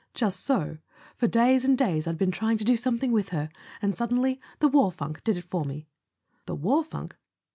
"Just so. For days and days I'd been trying to do something with her; and suddenly the war funk did it for me." "The war funk